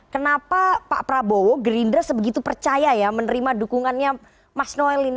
kenapa pak prabowo gerindra sebegitu percaya ya menerima dukungannya mas noel ini